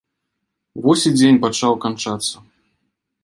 Вось і дзень пачаў канчацца.